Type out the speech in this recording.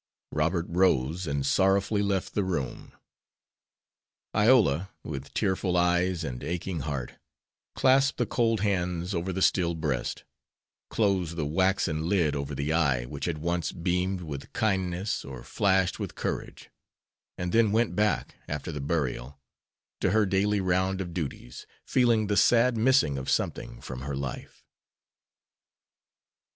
Robert rose, and sorrowfully left the room. Iola, with tearful eyes and aching heart, clasped the cold hands over the still breast, closed the waxen lid over the eye which had once beamed with kindness or flashed with courage, and then went back, after the burial, to her daily round of duties, feeling the sad missing of something from her life.